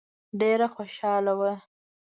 ډېره خوشاله وه.